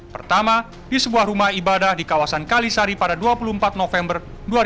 pertama di sebuah rumah ibadah di kawasan kalisari pada dua puluh empat november dua ribu dua puluh